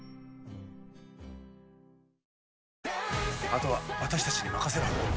あとは私たちに任せろ。